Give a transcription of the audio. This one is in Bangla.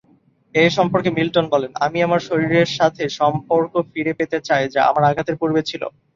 এ সম্পর্কে মিল্টন বলেন- "আমি আমার শরীরের সাথে সম্পর্ক ফিরে পেতে চাই যা আমার আঘাতের পূর্বে ছিল"।